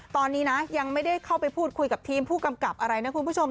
ตอนนี้นะยังไม่ได้เข้าไปพูดคุยกับทีมผู้กำกับอะไรนะคุณผู้ชม